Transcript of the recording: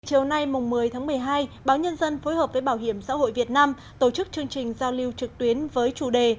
chiều nay một mươi tháng một mươi hai báo nhân dân phối hợp với bảo hiểm xã hội việt nam tổ chức chương trình giao lưu trực tuyến với chủ đề